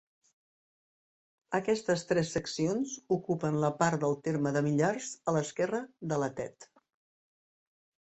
Aquestes tres seccions ocupen la part del terme de Millars a l'esquerra de la Tet.